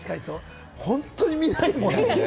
本当に見ないもん。